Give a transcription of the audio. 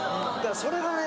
それがね